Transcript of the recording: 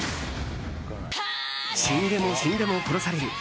死んでも死んでも、殺される。